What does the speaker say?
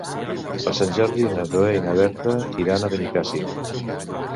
Per Sant Jordi na Zoè i na Berta iran a Benicàssim.